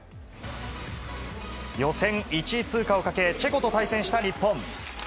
予選１位通過をかけ、チェコと対戦した日本。